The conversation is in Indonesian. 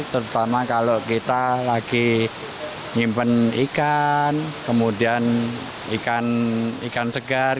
terutama kalau kita lagi nyimpen ikan kemudian ikan segar